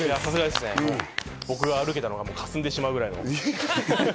僕が歩けたのが霞んでしまうぐらい。